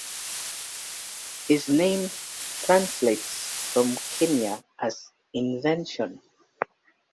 His name translates from Quenya as "invention".